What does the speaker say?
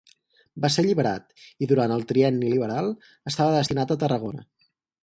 Va ser alliberat, i durant el Trienni liberal estava destinat a Tarragona.